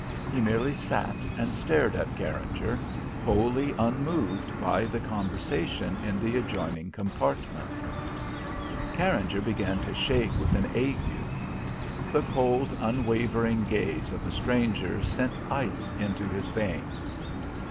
He merely sat and stared at Carringer, wholly unmoved by the conversation in the adjoining compartment. Carringer began to shake with an ague. The cold, unwavering gaze of the stranger sent ice into his veins.